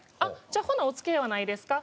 「じゃあほなお付き合いはないですか？」